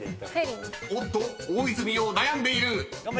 ［おっと⁉大泉洋悩んでいる］